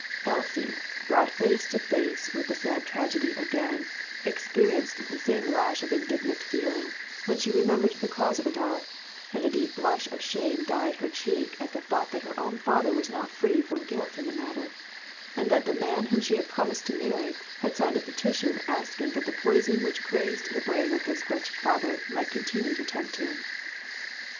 Elsie, brought face to face with the sad tragedy again, experienced the same rush of indignant feeling, when she remembered the cause of it all, and a deep blush of shame dyed her cheek at the thought that her own father was not free from guilt in the matter; and that the man whom she had promised to marry had signed a peti tion asking that the poison which crazed the brain of this wretched father might continue to tempt him.